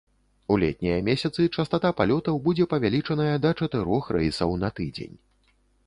У летнія месяцы частата палётаў будзе павялічаная да чатырох рэйсаў на тыдзень.